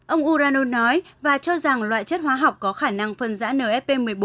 ông urano nói và cho rằng loại chất hóa học có khả năng phân giã nfp một mươi bốn